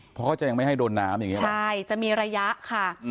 เพราะเขาจะยังไม่ให้โดนน้ำอย่างนี้หรอใช่จะมีระยะค่ะ